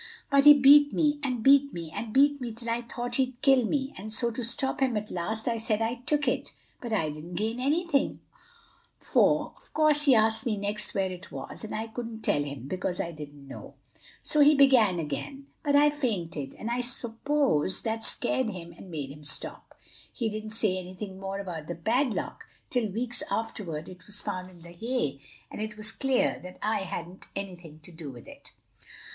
"But he beat me, and beat me, and beat me till I thought he'd kill me; and so to stop him at last I said I took it. But I didn't gain anything, for of course he asked next where it was, and I couldn't tell him, because I didn't know. So he began again; but I fainted, and I suppose that scared him and made him stop. He didn't say anything more about the padlock till weeks afterward it was found in the hay, and it was clear that I hadn't anything to do with it."